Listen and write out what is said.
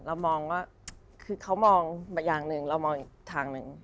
เรามองว่าคือเขามองอย่างหนึ่งเรามองอีกทางหนึ่ง